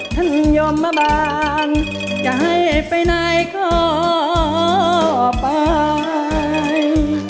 ท่านยอมมาบานจะให้ไปไหนขอไป